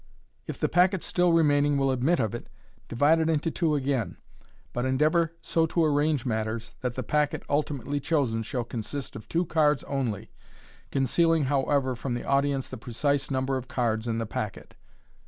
If the packet still remaining will admit of it, divide it into two again, but endeavour so to arrange matters that the packet ulti* mately chosen shall consist of two cards only, concealing however from the audience the precise number of cards in the packet.